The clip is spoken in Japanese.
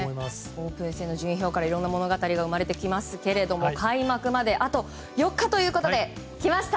オープン戦の順位表からいろいろな物語見られますが開幕まであと４日ということで来ました！